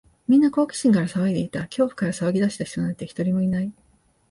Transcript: みんな好奇心から騒いでいた。恐怖から騒ぎ出した人なんて、一人もいない。